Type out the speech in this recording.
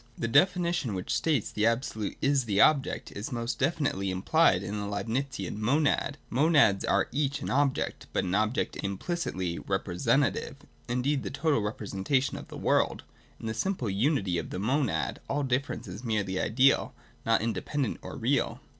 The definition, which states that the Absolute is the Object, is most definitely implied in the Leibnitzian Monad. The Monads are each an object, but an object implicitly ' representative,' indeed the total representa tion of the world. In the simple unity of the Monad, all difference is merely ideal, not independent or real.